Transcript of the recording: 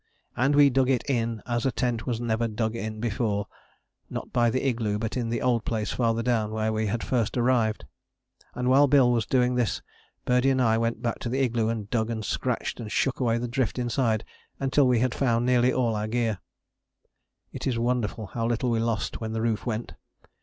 And we dug it in as tent was never dug in before; not by the igloo, but in the old place farther down where we had first arrived. And while Bill was doing this Birdie and I went back to the igloo and dug and scratched and shook away the drift inside until we had found nearly all our gear. It is wonderful how little we lost when the roof went.